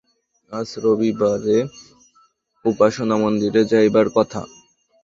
আজ রবিবারে উপাসনা-মন্দিরে যাইবার কথা।